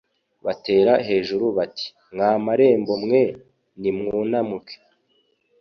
batera hejuru bati :Mwa marembo mwe nimwunamuke,